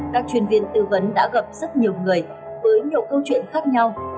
các chuyên viên tư vấn đã gặp rất nhiều người với nhiều câu chuyện khác nhau